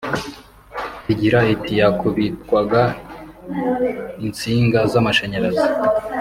igira iti “Yakubitwaga insinga z’amashanyarazi